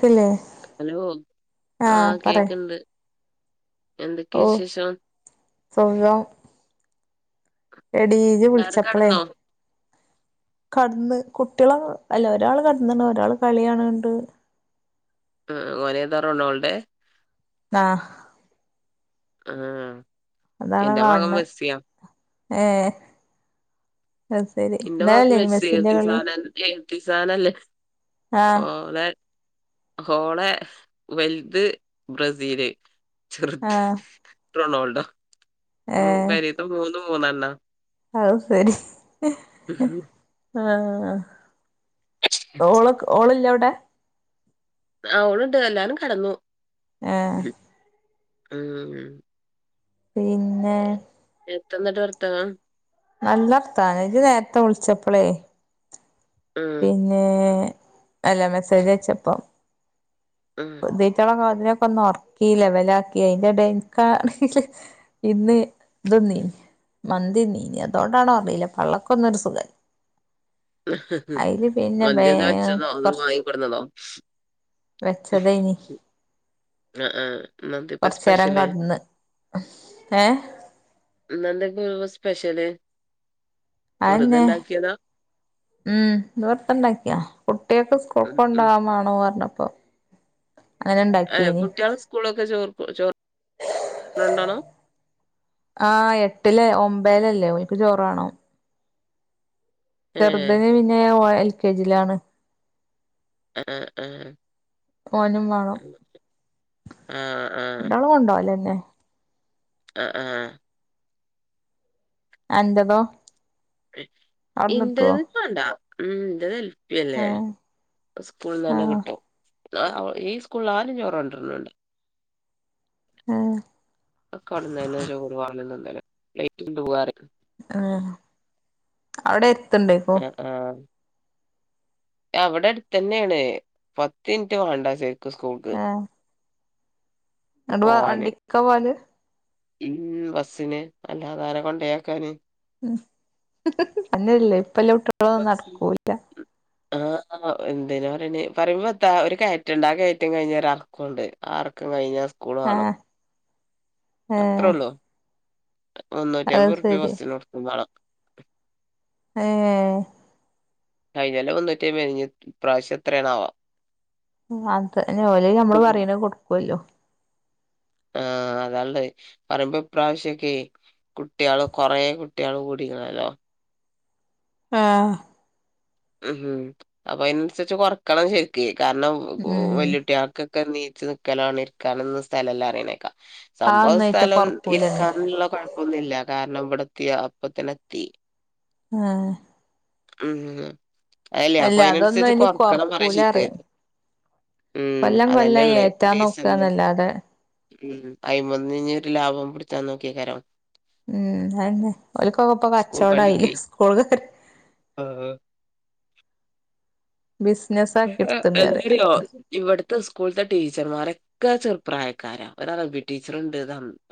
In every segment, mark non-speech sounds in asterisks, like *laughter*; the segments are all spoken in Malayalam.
ക്ക്ലേ ഹലോ ആ കേക്കണ്ട് എന്തൊക്കെ ഓ വിശേഷം സുഖം എടീ ജ്ജ് എല്ലാരും വിളിച്ചപ്പളെ കടന്നോ കെടന്ന് കുട്ടികള അല്ല ഒരാൾ കെടന്നണ് ഒരാൾ കളിയാണ് ണ്ട് ആ ഓലെതാ റൊണോൾടെ ആഹ് ആഹ് അതാണാ എന്റെ മകൻ കാണണ് മെസ്സിയാ ഏ എന്റെ ഭാഗത്ത് മെസ്സി *unintelligible* ആഹ് ഓ ല്ലെ ഓളെ വലുത് ബ്രസീല് ചെറുത് ആഹ് റൊണാൾഡോ ഏഹ് പെരീതെ മൂന്നും മൂന്നെണ്ണ അത് ശരി ആ ഓള് ഓളല്ലെ അവിടെ ആ ഓൾണ്ട് എല്ലാരും കെടന്നു ഏഹ് ഉം പിന്നെ എത്തന്നിട്ട് വർത്തനം നല്ല വർത്തനം ഇജ്ജ് നേരത്തെ വിളിച്ചപ്പളേ ഉം പിന്നെ അല്ല മെസ്സേജ് അയച്ചപ്പം ഉം ഈ റ്റളെ പകലൊക്കൊന്ന്ന്ന് ഒറക്കി ലെവലാക്കി അതിന്റെ എടയിൽ ഇൻകാണെങ്കിൽ ഇന്ന് ദ്ന്നീ മന്തി ന്നീന്ന് അതൊണ്ടാണോ അറിയില്ല പള്ളക്കൊന്നും ഒര് സുഖ ബേ മന്തിന്ന് വെച്ചതോ അതോ കൊറച്ച് വാങ്ങിക്കൊടുന്നതോ ച തൈനി ആഹ് ആഹ് ഇന്നെന്തിപ്പ കൊറചേരം സ്പെഷ്യല് കെടന്ന് ഏ ഇന്നന്തൊക്ക സ്പെഷ്യല് അ വെറുതെ അന്നെ ഇണ്ടാക്കിയതാ? ഉം ഓലപ്പണ്ടാക്കിയാ കുട്ടിയക്ക് *unintelligible* ഉം ഉം ക്കൊണ്ടാൻമാണോ പറഞ്ഞപ്പോ അങ്ങനെ ഏ, ഇണ്ടാക്കിയേനി കുട്ട്യാൾസ്കൂളൊക്കെ ചോറ് ചോറ്ണ്ടോണം ആഹ് എട്ടിലേ ഒമ്പലല്ലേ ഓല്ക്ക് ചോറാണം ഏഹ് ചെറുതിന് പിന്നെ ഓൻ എൽ കെ ജിലാണ് ആ ആ ആഹ് ആഹ് ആഹ് ണ്ടാളും കൊണ്ടാവല്ലേന്നെ ആ ആ അൻ്റതോ ഇൻ്റെത് ഇക്കാണ്ട ഉം ഇൻ്റെത് അല്ലേ ഏഹ് സ്കൂളിൽന്നന്നെ ആഹ് കിട്ടും ആ ഈ സ്കൂളിൽ ആരും ചോറ് കേണ്ടരണ് ണ്ട ഏഹ ഒക്കെ അവിടന്നെ ചോറ് വാങ്ങി തിന്നല് പ്ലേറ്റ് കൊണ്ട് വ പറിം ആഹ് അവിടെ എർത്ത് ണ്ടേക്കും ആഹ ഇവടെ അടുതെന്നെണ് പത്ത് മിനിറ്റ് വേണ്ട ശെരിക്കും സ്കൂൾക്ക് ങ്ങട്ട് വ പോവാന്. വണ്ടിക്ക പോവൽ ഉം ബസ്സിന് അല്ലാതാരാ കൊണ്ടയാക്കാന് അങ്ങനെയല്ല ഇപ്പൊ എല്ലാം കുട്ടിയാളും *unintelligible* ആഹ് എന്തെന പറയേണ്ടേ പറയുമ്പോത്താ ഒരു കയറ്റണ്ട് ആ കയറ്റം കഴിഞ്ഞ ഒരു എറക്കുണ്ട്. ആ എറക്കം കഴിഞ്ഞാൽ സ്കൂള് കാണും ആഹ് അത്രേ ഏഹ് ഉള്ളൂ മുന്നൂറ്റി അത് അമ്പത്ത് റുപ്യ ശരി ബസ്സിന് കൊടുക്കും വേണം ഏ കഴിഞ്ഞ കൊല്ലം മുന്നൂറ്റമ്പത് യെനി ഇനി ഈ പ്രാവശ്യം എത്രയാണാവോ അത് ഓൽ അയ്ന് നമ്മള് പറയ്ണെ കൊടുക്കുവല്ലോ ആഹ അതാള്ളത് പറയ്മ്പോ ഈ പ്രാവശ്യൊക്കെ കുട്ടികള് കൊറ കുട്ടികള് കൂടിക്ക്ണല്ലോ ആഹ ഉം അപ്പൊ അയ്ന് അനുസരിച്ച് കൊറക്കണം ശെരിക്ക് കാരണം ഉം വല്യകുട്ടിയാൾക് ക്കെ നീച്ചു നിക്കലാണ് ഇരിക്കാനൊന്നും സ്ഥലം ഇല്ല പറയണേക്കാ ആ സംഭവും ഒന്നായിറ്റ സ്ഥലം കൊറക്കൂലന്നെ ഇരിക്കാനുള്ള കൊഴപ്പൊന്നുയില്ല കാരണം ഇവിടെത്തി അപ്പത്തിനെത്തി ആഹ ഉം അല്ലേ അല്ല അപ്പൊ അതിന് അതൊന്നും അനുസരിച്ച് ഇനി കൊറക്കണം പറയാ കൊറക്കൂല ശീറ്റ്. അറിയാം ഉം കൊല്ലം കൊല്ലം അതന്നെയ്ള്ളെ ഏറ്റാൻ ഡീസൽന് നോക്കാന്നല്ലാതെ ഉ അയ്മെന്ന് ഇനി ഒരു ലാഭം പിടുത്താൻ നോക്കെ കാരം ഉം അതന്നെ ഒലക്കോക്കപ്പൊ കച്ചോടായില്ലേ സ്കൂൾ കാര് ആ അഹ് ബിസിനസ് ആക്കി എടുത്ത്ണ് എന്തോ പറയാ അറിയോ ഇവിടത്തെ സ്കൂള്ത്തെ ടീച്ചർമാരെ ഒകെ ചെറുപ്രായക്കാര ഒരു അറബി ടീച്ചറുണ്ട്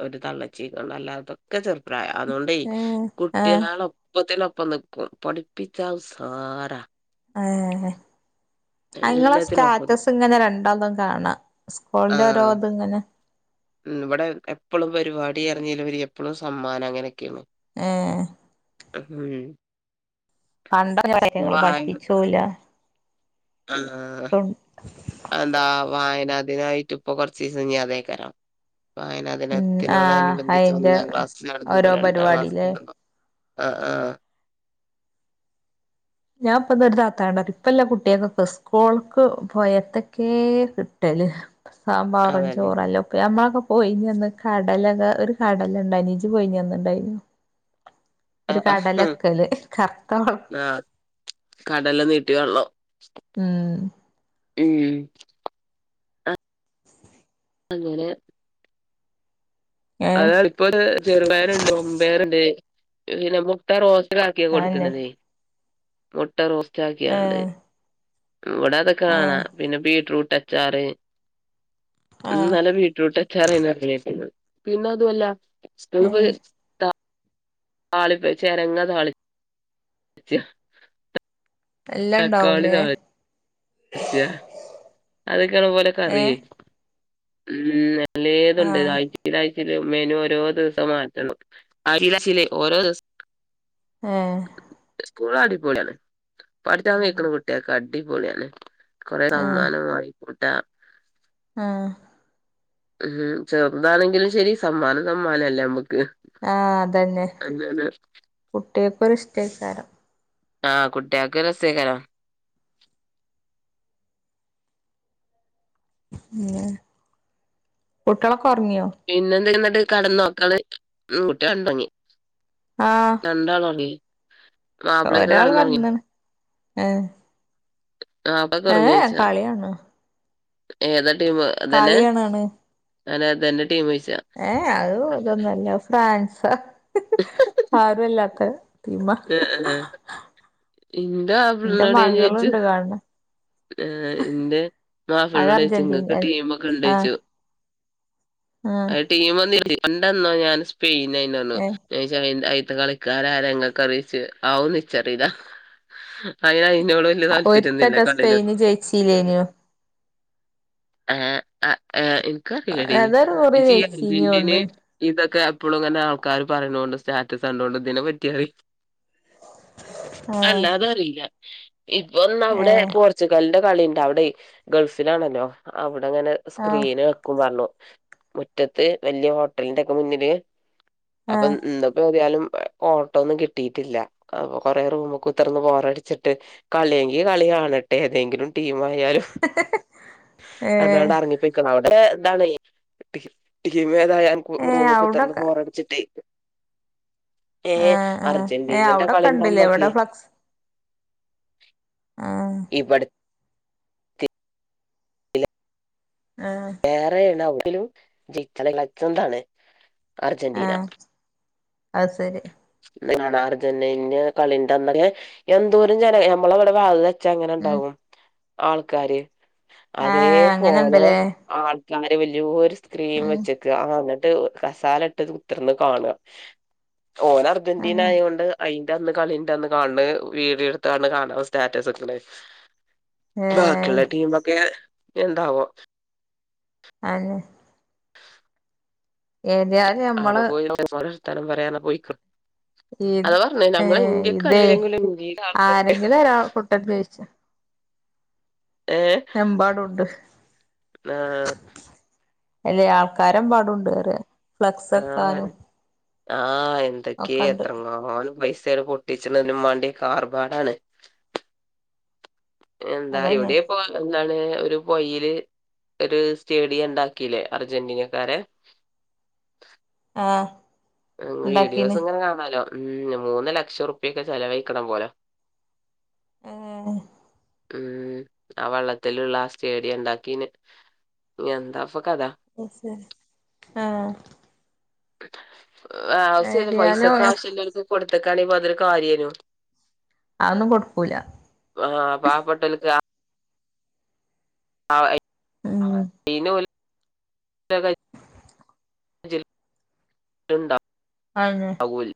ഒരു തള്ളച്ചീ അഹ് അല്ലാത്ത ഒക്കെ ചെറുപ്രായാ അതുകൊണ്ടയ് ഏഹ് ആഹ് കുട്ടിയാളെ ഒപ്പത്തിനൊപ്പം നിക്കും പഠിപ്പിക്കാൻ ഉസാറാ ആഹ ആ ഇങ്ങളെ എല്ലാത്തിനും ഒപ്പം നിക്കും സ്റ്റാറ്റസ് ഇങ്ങനെ രണ്ടാൾതും കാണാം സ്കൂളിന്റെ ഓരോ ഇത് ഇങ്ങനെ ഉ ഇവിടെ എപ്പോളും പരിവാടി പറിഞ്ഞാലും ഉപരി എപ്പോഴും സമ്മാനം അങ്ങനെയൊക്കെയാണ്. ഏഹ ഉം കണ്ട കാര്യങ്ങള്പഠിപ്പിച്ചൂല ആഹ അതെന്താ വായനാദിനായിട്ട് ഇപ്പൊ കൊറച്ച് ദിവസം ഞ് അതേകാരം വായനാ ആഹ് ദിനത്തിനോടനുബന്ധിച്ച് അയിന്റെ ഒന്നാം ക്ലാസ് ഓരോ നടന്നതും രണ്ടാം ക്ലാസ് പരിപാടില്ലേ നടന്നതും ആ ആ് ഞാൻപ്പന്ന് ഒരു താത്താനോട്‌ ഇപ്പളെ കുട്ടിയെക്കൊക്കെ സ് സ്കൂൾക് പോയാ എന്തൊക്കെ കിട്ടല്. സാമ്പാറും അതല്ലേ ചോറും അല്ല ഉപ്പേ നമ്മൾക്കൊ പോയിനി അന്ന് കടല കറി ഒരു കടല ഇണ്ടായിനി ഇജ് പോയിനിഅന്ന് ഇണ്ടായിരുന്നോ? ഒരു കടലക്കല് *unintelligible* ആഹ് കടല നീട്ടിയാള്ളം ഉം ഉം. അങ്ങനെ. ഏഹ് അതാണ് ഇപ്പൊരു ചെറുപയറുണ്ട് മമ്പയർണ്ട് പിന്നെ മു മുട്ട റോസ്റ്റ് ആക്കിയ അതന്നെ കൊടുക്ക്ണതെ. മുട്ട റോസ്റ്റാക്കിയാണ്ട്. ഏഹ് ഇവടെ അതൊക്കെ ആഹ് കാണാം പിന്നെ ബീറ്റ്റൂട്ട് അച്ചാറ് ആഹ് ഇന്നലെ ബീറ്റ്റൂട്ട് അ ചറ പിന്നെ അതുമല്ല നി ഏഹ് *unintelligible* താളിപ്പ് ചെരങ്ങ താളി ച് എല്ലാം ഉണ്ടാവൂലേ. ച്യ അതൊക്കെയാണ് പോലെ ഏഹ് കറിയേ ഉം നല്ലേതുണ്ട് ആഹ് *unintelligible* ആഴ്ചെലാഴ്ചെല് മെനു ഓരോ ദിവസം മാറ്റണം *unintelligible* ഓരോ ദിവസ ആഹ് സ്കൂൾ അടിപൊളിയാണ്. പഠിച്ച ഉം നിക്കണ കുട്ട്യോക്കടിപൊളിയാണ്. കുറെ ആഹ് സമ്മാനവാങ്ങിക്കൂട്ടാ. ആഹ്. ഉം ചെറുതാണെങ്കിലും ശരി സമ്മാനം സമ്മാനല്ലേ ഞമ്മക്. ആഹ് അതന്നെ കുട്ട്യോക്കൊരു ഇഷ്ടക്കാരം. ആഹ് കുട്ട്യോക്ക് രസേകരം. ഉം ന്നെ കുട്ട്യോളൊക്ക ഒറങ്ങിയോ? പിന്നെ എന്ത *unintelligible* കെടന്നു ഇങ്ങള് മം കുട്ട്യോണ്ട്ങ്ങി. ആഹ് രണ്ടാളോങ്ങി. ഒരാള്കേട്ന്ന് ഏ ആഹ് അപ്പൊക്കറങ്ങിച്ചാ. കളിയാണ് ഏതാ ടീമ് അതന്നെ കളി കാണാണ് ഞാനതന്നെ ടീമൊയ്ച്ച. ഏ അത് ഇതൊന്നുഅല്ല ഫാൻസ. ആരുല്ലാത്ത തീമ്മാ. ഇന്ത എന്റെ *unintelligible* ചോയിച്ചു. മകളുണ്ട് കാണ് ഏർ ന്റെ ണ് അത് മാപ്പിളിനോട്യ്ച്ചു അർജന്റീന ങ്ങക്ക് ടീമ ഒക്കെ ആഹ് ഉണ്ടയ്ച്ചു. ആഹ് അ ടീം മോന്നില്ല പണ്ടെന്നോ ഞാൻ സ്പെയിനാന്നെണു. ഏഹ് ചച്ച അ അയിത്തെ കളിക്കാരാരങ്ങെക്കറിയിച്ചു ആവും ച്ചറിയല്ലാ അതിന് അയ്നോട് വല്ല്യ താല്പര്യംന്നും ഇല്ല. ഒരിക്കറ്റെ സ്പെയിന് ജയിച്ചിലേനോ. ആഏ എനിക്കറിയില്ലഡി അതൊരു കുറി ഇച്ചി ഈ വെച്ചീനി അർജന്റീനെ തോന്ന്ണ് ഇതൊക്കെ എപ്പളും ങ്ങനെ ആൾക്കാര് പറയുന്നോണ്ട് സ്റ്റാറ്റസ് കണ്ടോണ്ട് ഇതിനെ പറ്റിയറി ആഹ് അല്ലാതറിയില്ല ഇപ്പൊന്നവിടെ ഏഹ് പോർച്ചുഗാലിന്റെ കളിണ്ട് അവിടെ ഗൾഫിലാണല്ലോ അവിടെ ങ്ങനെ. ആഹ് സ്ക്രീന് വെക്കും പറഞ്ഞു മുറ്റത്ത് വെല്ല്യ ഹോട്ടലിന്റെക്കെ മുന്നില്. അപ്പൊ ആഹ് ഇന്ന്പ്പോ എതാലും ഓട്ടോന്നും കിട്ടീട്ടില്ല. അപ്പൊ കൊറേ റൂമ് കുത്തർന്ന് ബോറടിച്ചിട്ട് കളിയെങ്കി കളി കാണട്ടെ ഏതെങ്കിലും ടീമ് ആയാലും ഏഹ് എന്നാർണ്ട് എറങ്ങിപ്പോ ക്കണ് അവിടെ ഇതാണ് ഇ ടീ ടീമ് ഏതായാലും ഏഹ് റൂമ് കുത്തിർന്ന് അവ്ടൊക്കെ ബോറടിച്ചിട്ടേ. ഏഹ് ആഹ് ആഹ് ഏഹ് അർജന്റീനന്റെ അവ്ടൊക്കെ ഇണ്ട്ല്ലേ കളിന്റെന്നോക്കെ. ഇവടെ ഫ്ലക്സ് ആഹ് ഇവിടു ആഹ്. വേറെയണ ഒലും ജിച്ചള ലെജണ്ട് ണ് അർജന്റീന അ ശരി കാണാ അർജന്ടീനന്റെ കളിന്റെ എന്തോരം ജന നമ്മളവിടെ പച്ച അങ്ങനെ ഉം ഉണ്ടാവും ആൾക്കാാര് ഏഹ് അതേപോലെ അങ്ങനെണ്ട്ല്ലേ ആൾക്കാര് വല്യൊരു സ്ക്രീം ഉം വെച്ച ആഹ ന്നിട്ട് കസാല ഇട്ട് കുത്തിർന്ന് കാണു ഓന അർജന്റീന ആഹ് ആയൊണ്ട് അയിന്റെ അന്ന് കളിന്റെ അന്ന് കാണ് വീഡിയോടത് കാണ് കാണാവൻ സ്റ്റാറ്റസ് വെയ് ഏഹ് ബാക്കിയുള്ള ടീമൊക്കെ എന്താവോ അയ്നെ ഏത അവിടെ പോയിം *unintelligible* പറയാന പോയിക്കും ഈ അതാ പറഞ്ഞേ നമ്മളെ ഏഹ് ഇന്ത്യക്ക ഇതേ അല്ലെങ്കിലും ഇന്ത്യയില ആൾക്കാര ആരെങ്കിലും *unintelligible* ഏഹ് എമ്പാടുണ്ട് ആഹ് അല്ലയ് ആൾക്കാര് എമ്പാടുണ്ട് ന്നറ *unintelligible* ആഹ് എന്തൊക്കേ ഒക്കെണ്ട് എത്രണം *unintelligible* പൈസാണ് പൊട്ടിച്ച്ണ് ഇതിനും വാണ്ടി ആർഭാടാണ് എന്താ അതന്നെ ഇവടിം ഇപ്പോ എന്താണ് ഒരു പൊയീല് ഒരു സ്റ്റേഡിയം ഇണ്ടാക്കിലെ അർജന്റീനക്കാര് ആഹ് ഇണ്ടാക്കീണ് വീഡിയോസ് ഇങ്ങനെ കാണാലോ ഉം മൂന്ന് ലക്ഷം ഉർപ്യക്കെ ചെലവഴിക്കണം പോലെ ഏയ് ഉം ആ വള്ളത്തിലുള്ള ആ സ്റ്റേഡിയം ഇ ണ്ടാക്കിന് എന്താപ്പൊ കഥ ശരി ആഹ് ആവുശ്യല്ല പൈസക്ക് ഏതായാലും ആവുശ്യല്ലോർക്ക് കൊടുത്തക്കാണെപ്പൊ അതൊരു കാര്യന്നു അതൊന്നും കൊടുക്കൂല ആഹ് പാവപ്പെട്ടോൽക്ക ആ ഉം അയിന് അയിനോൽ *unintelligible* ഉണ്ടാ ആണ് അവൂൽ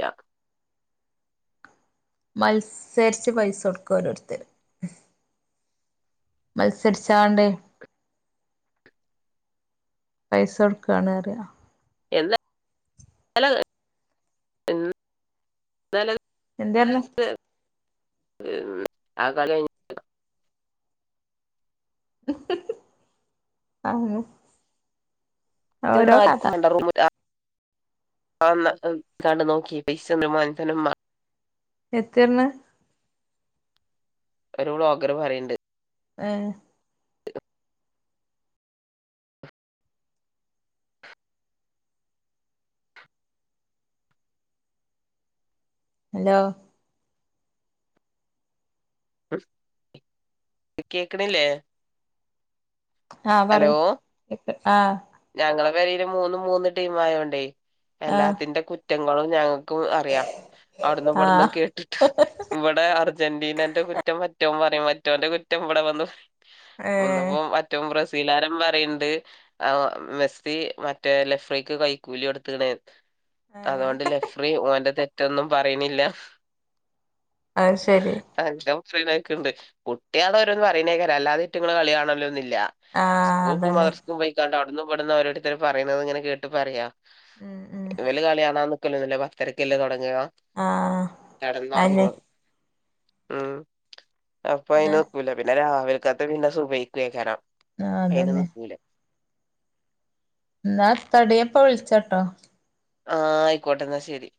യ്യ മത്സരിച്ച് പൈസ കൊടുക്ക ഓരോരുത്തര് മത്സരിച്ചാണ്ട് പൈസ കൊടുക്കാണ് പറയ *unintelligible* എന്തേറഞ്ഞു *unintelligible* ആ കളി ആഹ് ഒറ്റന്നും ഓരോ കഥ ആർക്കും വേണ്ട റൂമില ആഒന്ന് കണ്ടു നോക്കി പൈസ ഒന്നും ഒരു മൻസനും മാ എത്തേർഞ്ഞ് ഒരു വ്ലോഗറ് പറയ്ണ്ട് ഏയ് ഹലോ കേക്ക്ണില്ലേ ആഹ് പറയിം കേക്ആഹ് ഞങ്ങളെ പേരീല് മൂന്ന് മൂന്ന് ടീം ആയോണ്ടേ ആഹ് എല്ലാത്തിന്റെ കുറ്റങ്ങളും ഞങ്ങ ക്കും അറിയ അവിടന്ന് ഇവിടന്നും ആഹ് കേട്ടിട്ട് ഇവിടെ അർജന്റീനന്റെ കു റ്റം മറ്റോം പറിം മറ്റോന്റെ കുറ്റം ഇവടെ വന്ന് ഏഹ് ഇന്ന്പ്പോ മറ്റോം ബ്രസീ സീലാരം പറീണ്ട് മെസ്സി മറ്റേ ലഫ്രൈക്ക് കൈക്കൂലി കൊട്ത്ത്ക്ക്ണ് ഏഹ് അതൊണ്ട് ലഫ്രി ഓൻ്റെ തെറ്റൊന്നും പറിണ്ല്ല അയ്ശരി *unintelligible* പറിണെക്ക്ണ്ട് കുട്ട്യാള് ഓരോന്ന് പറിണെക്കാരം അല്ലാതെ ഇറ്റങ്ങള് കളി കാണലൊന്നുല്ല ആഹ് സ്കൂക്കും അതന്നെ മദ്റസ്ക്കും പോയിക്കാണ്ട് അവ്ട്ന്നു ഇവട്ന്നും ഒരോരുത്തര് പറയുന്നത് ഇങ്ങനെ കേട്ട് പറയാ ഉം ഉം ഇവല് കളിയാണാൻ നിക്കലൊന്നുല്ല പത്തരക്കല്ലേ തൊടങ്ങ ആഹ് കട്ന്ന് ഒർങ്ങും അയെന്നെ ഉം അപ്പൊ അയിന് നിക്കൂല പിന്നെ രാവിലക്കത്തെ പിന്നെ സുബ്ഹിക്കെകാരം ആഹ് അയിനും അതന്നെ നിക്കൂല ന്നാ എത്താടീ ഞാപ്പ വിൾച്ചട്ടോ ആ ആയിക്കോട്ടെ ഇന്നാ ശരി